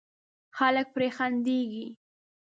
خلک پرې خندېږي.